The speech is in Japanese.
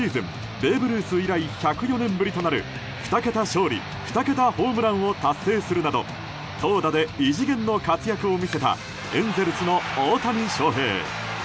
ベーブ・ルース以来１０４年ぶりとなる２桁勝利２桁ホームランを達成するなど投打で異次元の活躍を見せたエンゼルスの大谷翔平。